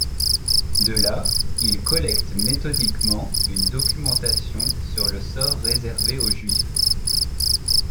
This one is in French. De là, il collecte méthodiquement une documentation sur le sort réservé aux juifs.